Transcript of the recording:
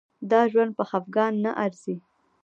دا ژوند په خفګان نه ارزي.